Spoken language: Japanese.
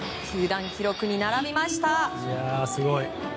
球団記録に並びました。